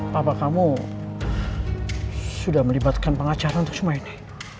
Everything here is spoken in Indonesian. papa kamu sudah melibatkan pengacara untuk semua ini